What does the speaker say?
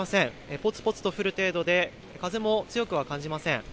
ぽつぽつと降る程度で風も強くは感じません。